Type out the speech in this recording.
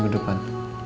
di minggu depan